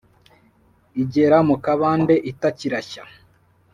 igera mu kabande itakirashya